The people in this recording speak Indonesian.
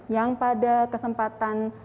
yang pada kesempatan